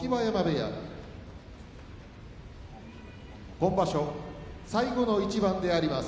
今場所最後の一番であります。